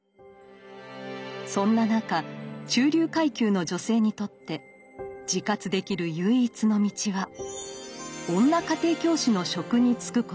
そんな中中流階級の女性にとって自活できる唯一の道は女家庭教師の職に就くこと。